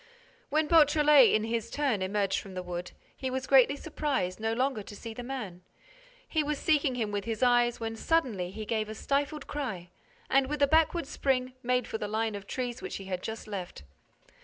When Beautrelet, in his turn, emerged from the wood, he was greatly surprised no longer to see the man. He was seeking him with his eyes when, suddenly, he gave a stifled cry and, with a backward spring, made for the line of trees which he had just left.